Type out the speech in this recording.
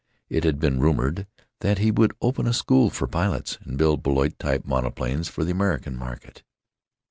It had been rumored that he would open a school for pilots and build Blériot type monoplanes for the American market.